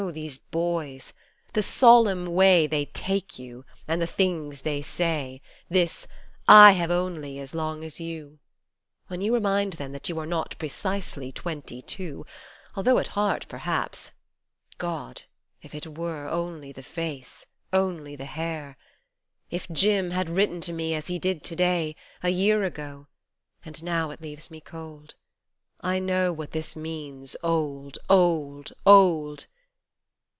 these boys ! the solemn way They take you, and the things they say This " I have only as long as you " When you remind them you are not precisely twenty two Although at heart perhaps God ! if it were Only the face, only the hair ! 4 2 If Jim had written to me as he did to day A year ago and now it leaves me cold I know what this means, old, old, old